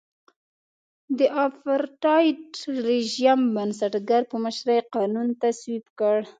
د اپارټایډ رژیم بنسټګر په مشرۍ قانون تصویب کړ.